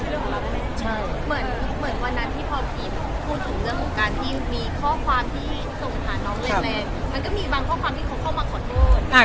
พูดถึงเรื่องของการที่มีข้อความที่สงขาหน๊ำ